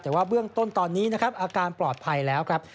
แต่ว่าเบื้องต้นตอนนี้นะครับอาการปลอดภัยแล้วครับ